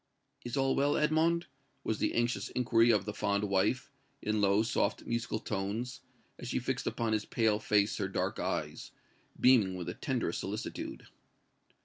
"Is all well, Edmond?" was the anxious inquiry of the fond wife, in low, soft, musical tones, as she fixed upon his pale face her dark eyes, beaming with the tenderest solicitude.